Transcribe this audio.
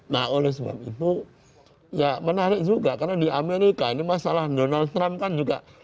nah oleh sebab itu ya menarik juga karena di amerika ini masalah donald trump kan juga